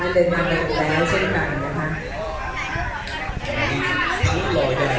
ท่านเดินทางทางตรงแล้วเช่นกันนะครับ